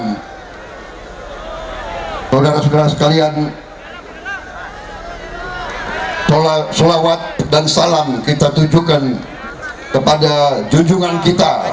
dan saudara saudara sekalian sulawat dan salam kita tunjukkan kepada jujurkan kita